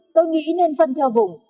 tôi nghĩ nên phân theo vùng